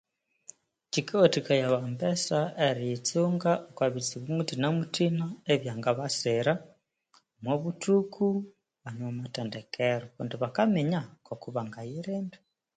Kyikawathikaya aba mbesa eri yitsunga okwa bitsibu muthina-muthina ebya ngabasira omu buthuku bane omw'ithendekero, kundi bakaminya ngoko bangayirinda